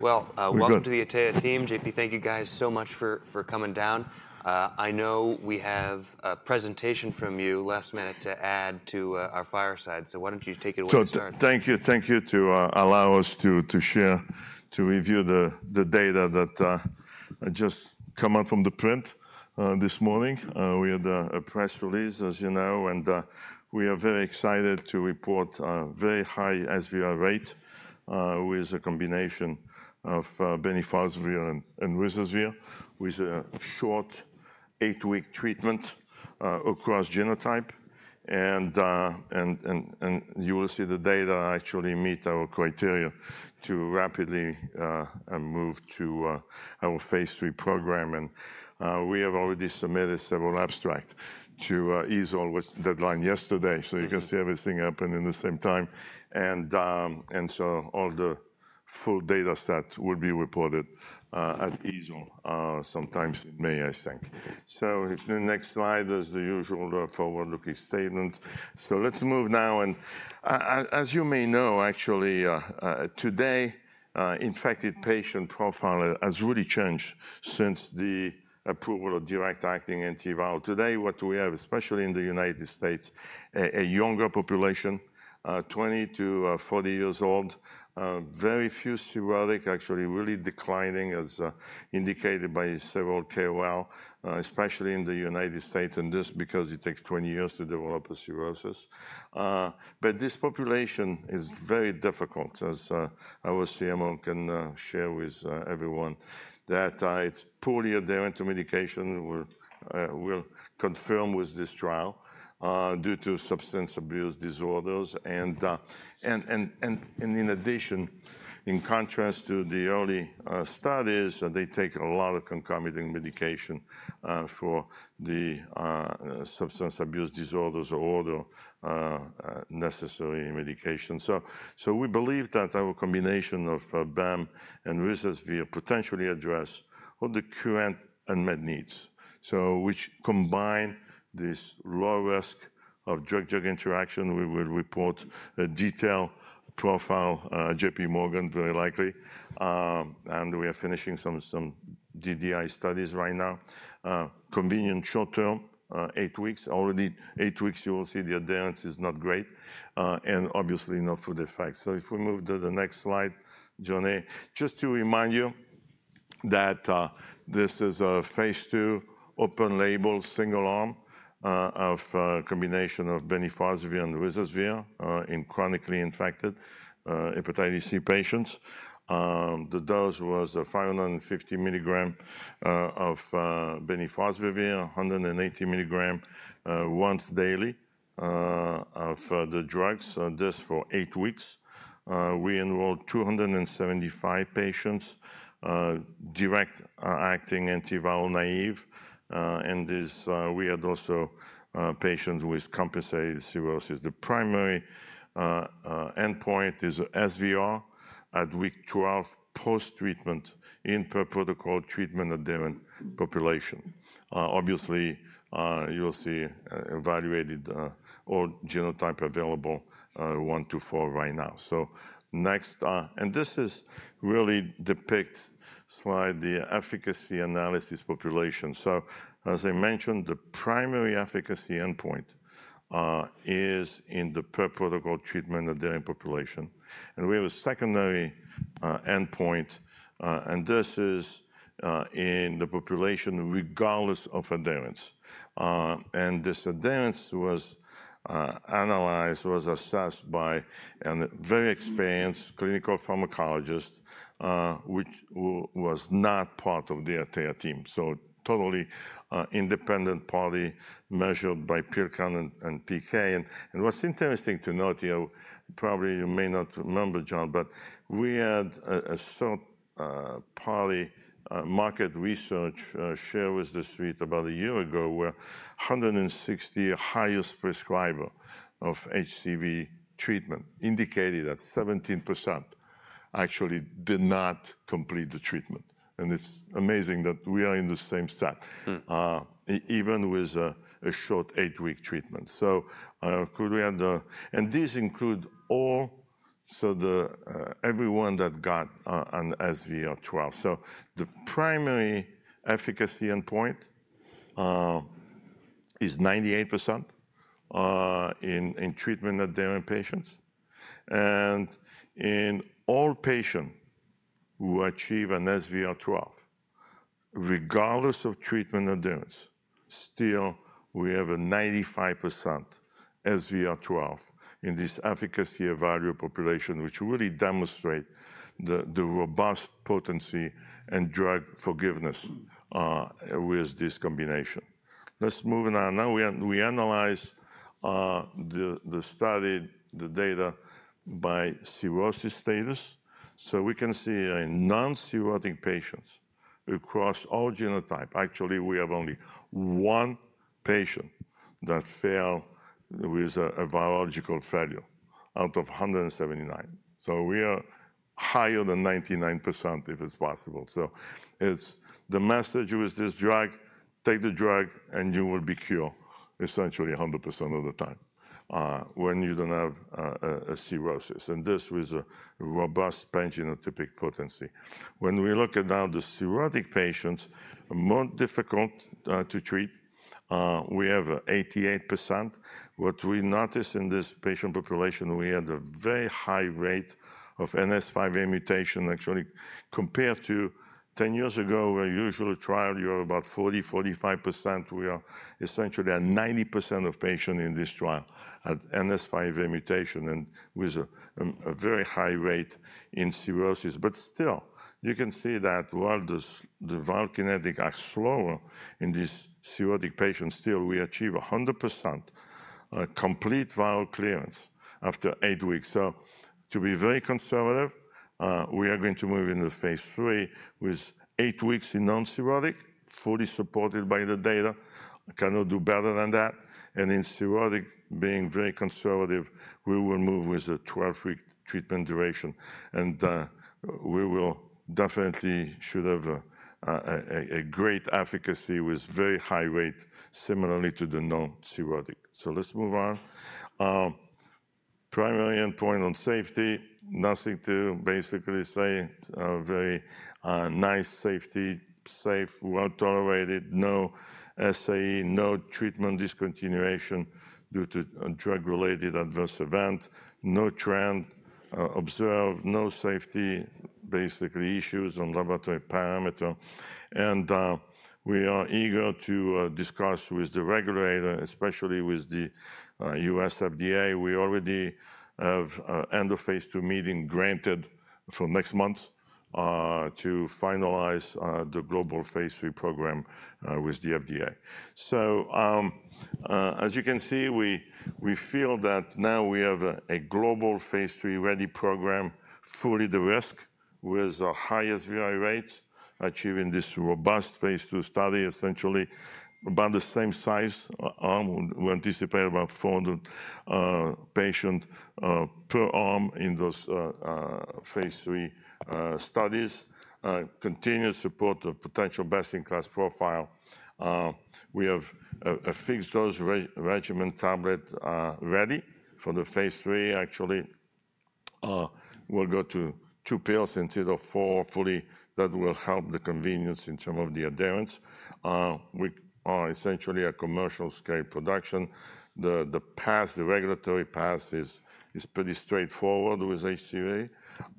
Welcome to the Atea team. JP, thank you guys so much for coming down. I know we have a presentation from you last minute to add to our fireside, so why don't you take it away to start? Thank you. Thank you to allow us to share, to review the data that just came out from the print this morning. We had a press release, as you know, and we are very excited to report a very high SVR rate with a combination of bemnifosbuvir and ruzasvir with a short eight-week treatment across genotype, and you will see the data actually meet our criteria to rapidly move to our phase 3 program, and we have already submitted several abstracts to EASL, which deadlined yesterday, so you can see everything happened in the same time, and so all the full data set will be reported at EASL sometime in May, I think, so if the next slide is the usual forward-looking statement, let's move now, and as you may know, actually, today, infected patient profile has really changed since the approval of direct acting antiviral. Today, what we have, especially in the United States, a younger population, 20-40 years old, very few cirrhotic, actually really declining, as indicated by several KOL, especially in the United States, and this is because it takes 20 years to develop a cirrhosis, but this population is very difficult, as our CMO can share with everyone, that it's poorly adherent to medication. We'll confirm with this trial due to substance abuse disorders, and in addition, in contrast to the early studies, they take a lot of concomitant medication for the substance abuse disorders or other necessary medication, so we believe that our combination of Bem and ruzasvir potentially addresses all the current unmet needs, so which combine this low risk of drug-drug interaction, we will report a detailed profile, J.P. Morgan, very likely, and we are finishing some DDI studies right now. Convenient short-term, eight weeks. Already, eight weeks. You will see the adherence is not great and obviously not for the effects. So if we move to the next slide, John, just to remind you that this is a phase 2 open-label single-arm of a combination of bemnifosbuvir and ruzasvir in chronically infected hepatitis C patients. The dose was 550 milligrams of bemnifosbuvir, 180 milligrams once daily of the drugs, this for eight weeks. We enrolled 275 patients, direct-acting antiviral naive. And we had also patients with compensated cirrhosis. The primary endpoint is SVR at week 12 post-treatment in per protocol treatment adherent population. Obviously, you'll see evaluated all genotypes available one to four right now. So next, and this is really depict slide, the efficacy analysis population. So as I mentioned, the primary efficacy endpoint is in the per protocol treatment adherent population. We have a secondary endpoint, and this is in the population regardless of adherence. This adherence was analyzed, was assessed by a very experienced clinical pharmacologist, which was not part of the Atea team. Totally independent party measured by pill count and PK. What's interesting to note, you probably may not remember, John, but we had a third-party market research shared with the Street about a year ago where 160 highest prescribers of HCV treatment indicated that 17% actually did not complete the treatment. It's amazing that we are in the same stat, even with a short eight-week treatment. We had, and these include all, so everyone that got an SVR 12. The primary efficacy endpoint is 98% in treatment adherent patients. In all patients who achieve an SVR12, regardless of treatment adherence, still we have a 95% SVR12 in this efficacy evaluation population, which really demonstrates the robust potency and drug forgiveness with this combination. Let's move now. Now we analyze the study, the data by cirrhosis status. We can see non-cirrhotic patients across all genotype. Actually, we have only one patient that failed with a virological failure out of 179. We are higher than 99% if it's possible. It's the message with this drug, take the drug and you will be cured essentially 100% of the time when you don't have a cirrhosis. This was a robust pan-genotypic potency. When we look at now the cirrhotic patients, more difficult to treat, we have 88%. What we noticed in this patient population, we had a very high rate of NS5A mutation, actually compared to 10 years ago, where usually trial you are about 40%-45%. We are essentially at 90% of patients in this trial at NS5A mutation and with a very high rate in cirrhosis. But still, you can see that while the viral kinetic acts slower in these cirrhotic patients, still we achieve 100% complete viral clearance after eight weeks, so to be very conservative, we are going to move into phase 3 with eight weeks in non-cirrhotic, fully supported by the data. I cannot do better than that, and in cirrhotic, being very conservative, we will move with a 12-week treatment duration, and we will definitely should have a great efficacy with very high rate, similarly to the non-cirrhotic, so let's move on. Primary endpoint on safety, nothing basically to say, very nice safety, safe, well tolerated, no SAE, no treatment discontinuation due to drug-related adverse event, no trend observed, no safety basically issues on laboratory parameter. We are eager to discuss with the regulator, especially with the U.S. FDA. We already have end of phase two meeting granted for next month to finalize the global phase three program with the FDA. As you can see, we feel that now we have a global phase three ready program, fully de-risked with the highest SVR rates from this robust phase two study, essentially about the same size arm. We anticipate about 400 patients per arm in those phase three studies. Continued support of potential best-in-class profile. We have a fixed dose regimen tablet ready for the phase three. Actually, we'll go to two pills instead of four fully that will help the convenience in terms of the adherence. We are essentially a commercial scale production. The path, the regulatory path is pretty straightforward with HCV.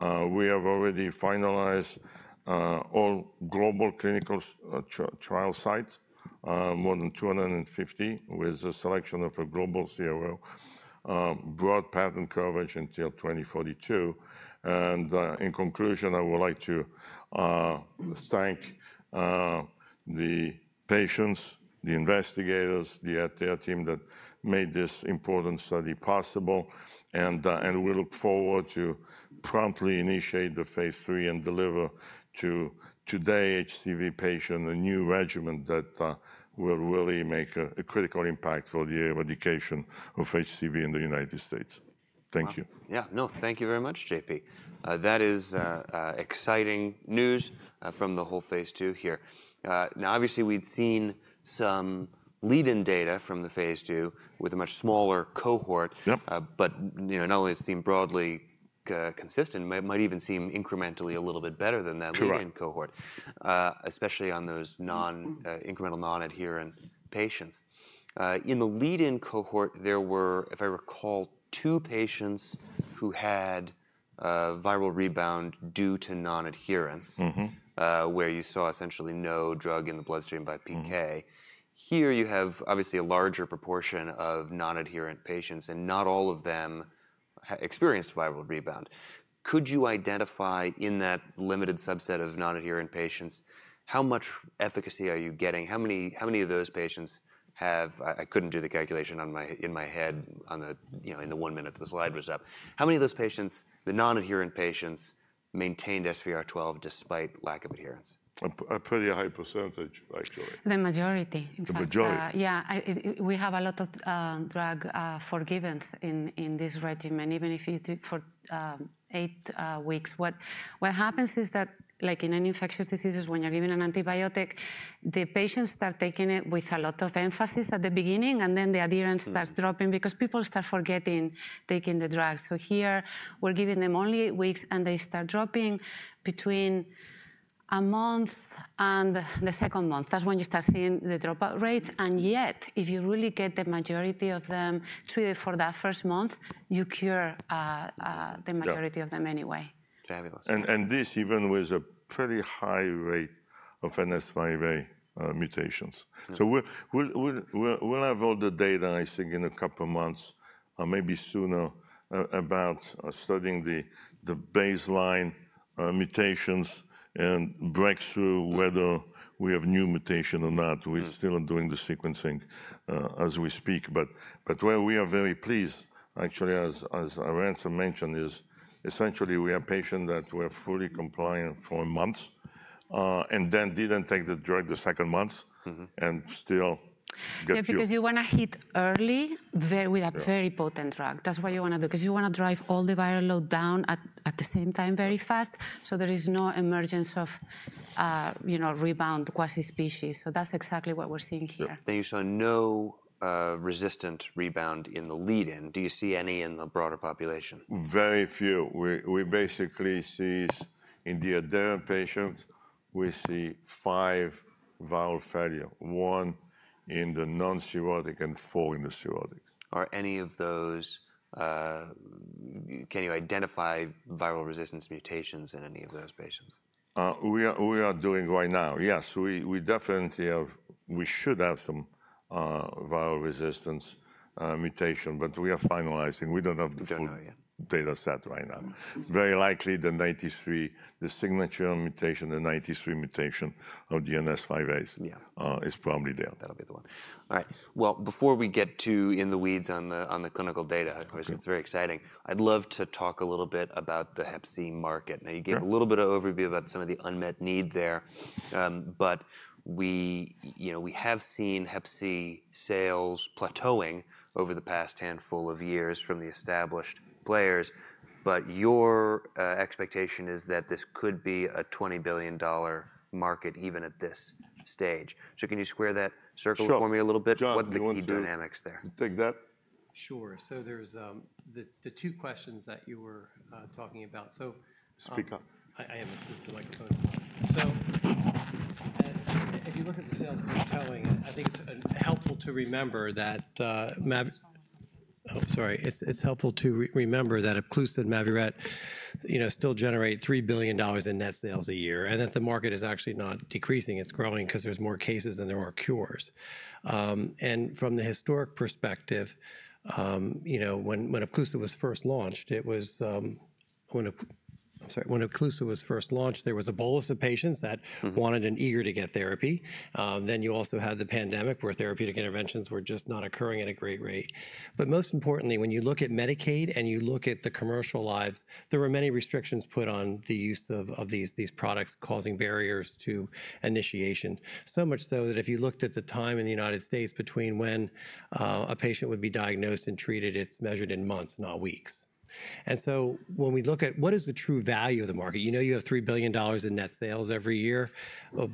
We have already finalized all global clinical trial sites, more than 250 with a selection of a global CRO, broad patent coverage until 2042. And in conclusion, I would like to thank the patients, the investigators, the Atea team that made this important study possible. And we look forward to promptly initiate the phase three and deliver to today's HCV patient a new regimen that will really make a critical impact for the eradication of HCV in the United States. Thank you. Yeah. No, thank you very much, JP. That is exciting news from the whole phase two here. Now, obviously, we'd seen some lead-in data from the phase two with a much smaller cohort, but not only seem broadly consistent, might even seem incrementally a little bit better than that lead-in cohort, especially on those incremental non-adherent patients. In the lead-in cohort, there were, if I recall, two patients who had viral rebound due to non-adherence, where you saw essentially no drug in the bloodstream by PK. Here you have obviously a larger proportion of non-adherent patients, and not all of them experienced viral rebound. Could you identify in that limited subset of non-adherent patients, how much efficacy are you getting? How many of those patients have--I couldn't do the calculation in my head in the one minute the slide was up. How many of those patients, the non-adherent patients, maintained SVR12 despite lack of adherence? A pretty high percentage, actually. The majority, in fact. The majority. Yeah. We have a lot of drug forgiveness in this regimen, even if you took for eight weeks. What happens is that, like in any infectious diseases, when you're given an antibiotic, the patients start taking it with a lot of emphasis at the beginning, and then the adherence starts dropping because people start forgetting taking the drug. So here, we're giving them only eight weeks, and they start dropping between a month and the second month. That's when you start seeing the dropout rates, and yet, if you really get the majority of them treated for that first month, you cure the majority of them anyway. Fabulous. And this even with a pretty high rate of NS5A mutations. So we'll have all the data, I think, in a couple of months, maybe sooner, about studying the baseline mutations and breakthrough, whether we have new mutation or not. We're still doing the sequencing as we speak. But where we are very pleased, actually, as Arantxa mentioned, is essentially we have patients that were fully compliant for a month and then didn't take the drug the second month and still get through. Yeah, because you want to hit early with a very potent drug. That's why you want to do, because you want to drive all the viral load down at the same time very fast. So there is no emergence of rebound quasi-species. So that's exactly what we're seeing here. Thank you. So no resistant rebound in the lead-in. Do you see any in the broader population? Very few. We basically see in the adherent patients, we see five viral failure, one in the non-cirrhotic and four in the cirrhotic. Are any of those, can you identify viral resistance mutations in any of those patients? We are doing right now. Yes, we definitely have. We should have some viral resistance mutation, but we are finalizing. We don't have the full data set right now. Very likely the 93, the signature mutation, the 93 mutation of the NS5A is probably there. That'll be the one. All right. Well, before we get too in the weeds on the clinical data, which is very exciting, I'd love to talk a little bit about the Hep C market. Now, you gave a little bit of overview about some of the unmet need there. But we have seen Hep C sales plateauing over the past handful of years from the established players. But your expectation is that this could be a $20 billion market even at this stage. So can you square that circle for me a little bit? What are the key dynamics there? Take that. Sure. So there's the two questions that you were talking about. So. Speak up. I am. So if you look at the sales plateauing, I think it's helpful to remember that, oh, sorry. It's helpful to remember that Epclusa and Mavyret still generate $3 billion in net sales a year. And that the market is actually not decreasing. It's growing because there's more cases and there are cures. And from the historic perspective, when Epclusa was first launched, it was, I'm sorry. When Epclusa was first launched, there was a bolus of patients that wanted and eager to get therapy. Then you also had the pandemic where therapeutic interventions were just not occurring at a great rate. But most importantly, when you look at Medicaid and you look at the commercial lives, there were many restrictions put on the use of these products, causing barriers to initiation. So much so that if you looked at the time in the United States between when a patient would be diagnosed and treated, it's measured in months, not weeks, and so when we look at what is the true value of the market, you know you have $3 billion in net sales every year,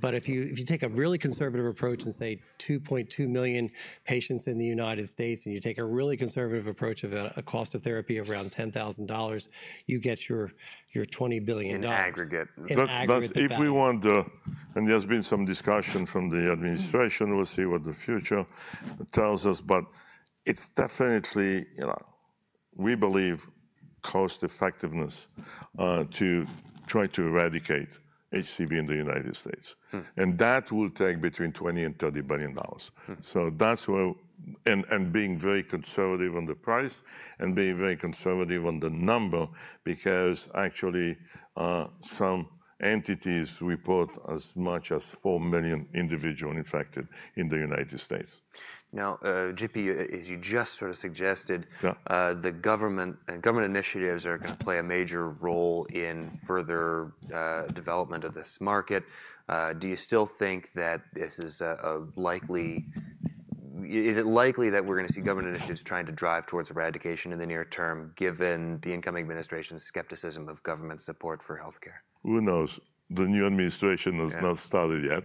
but if you take a really conservative approach and say 2.2 million patients in the United States, and you take a really conservative approach of a cost of therapy of around $10,000, you get your $20 billion. In aggregate. If we want to--and there's been some discussion from the administration, we'll see what the future tells us. But it's definitely, we believe, cost-effectiveness to try to eradicate HCV in the United States. And that will take between $20 and $30 billion. So that's where--and being very conservative on the price and being very conservative on the number, because actually some entities report as much as four million individuals infected in the United States. Now, JP, as you just sort of suggested, the government and government initiatives are going to play a major role in further development of this market. Do you still think that this is a likely, is it likely that we're going to see government initiatives trying to drive towards eradication in the near term, given the incoming administration's skepticism of government support for healthcare? Who knows? The new administration has not started yet.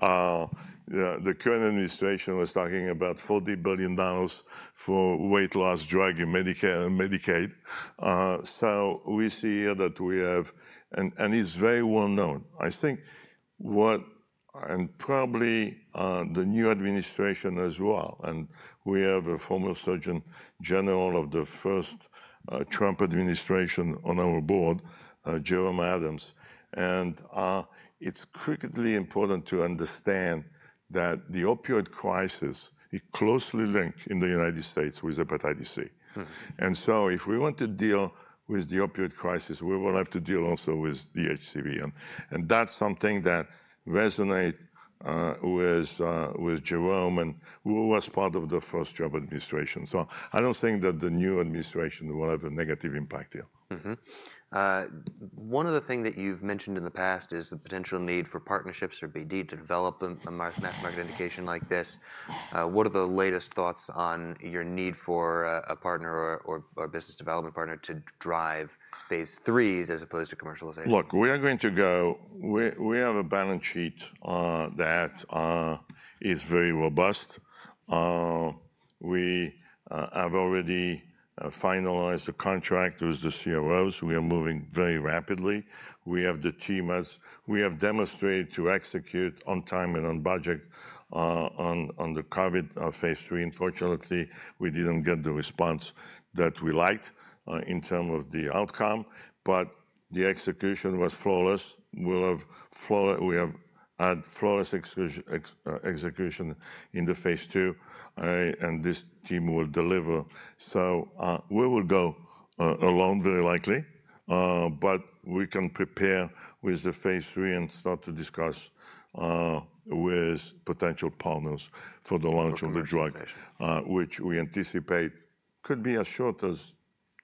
The current administration was talking about $40 billion for weight loss drug in Medicaid. So we see here that we have, and it's very well known. I think what, and probably the new administration as well. And we have a former Surgeon General of the first Trump administration on our board, Jerome Adams. And it's critically important to understand that the opioid crisis is closely linked in the United States with hepatitis C. And so if we want to deal with the opioid crisis, we will have to deal also with the HCV. And that's something that resonates with Jerome and who was part of the first Trump administration. So I don't think that the new administration will have a negative impact here. One of the things that you've mentioned in the past is the potential need for partnerships or BD to develop a mass market indication like this. What are the latest thoughts on your need for a partner or business development partner to drive Phase 3s as opposed to commercialization? Look, we are going to go. We have a balance sheet that is very robust. We have already finalized the contract with the CROs. We are moving very rapidly. We have the team as we have demonstrated to execute on time and on budget on the COVID phase three. Unfortunately, we didn't get the response that we liked in terms of the outcome, but the execution was flawless. We have had flawless execution in the phase two, and this team will deliver, so we will go alone very likely, but we can prepare with the phase three and start to discuss with potential partners for the launch of the drug, which we anticipate could be as short as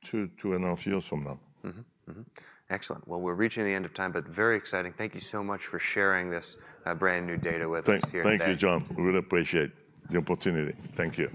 two to two and a half years from now. Excellent. Well, we're reaching the end of time, but very exciting. Thank you so much for sharing this brand new data with us here. Thank you, John. We really appreciate the opportunity. Thank you.